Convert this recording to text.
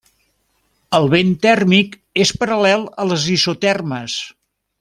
El vent tèrmic és paral·lel a les isotermes.